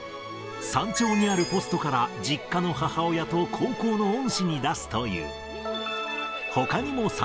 山頂にあるポストから、実家の母親と高校の恩師に出すという。